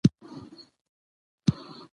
ښه حکومت د ولس غږ اوري او مني.